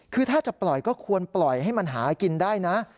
คือถ้าจะปล่อยก็ควรปล่อยให้มันหากินได้นะ